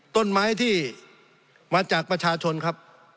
สงบจนจะตายหมดแล้วครับ